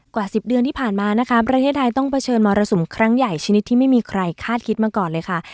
กว่า๑๐เดือนที่ผ่านมานะคะประเทศไทยต้องเผชิญมรสุมครั้งใหญ่ชนิดที่ไม่มีใครคาดคิดมาก่อนเลยค่ะ